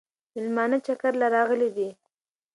مېلمانه چکر له راغلي دي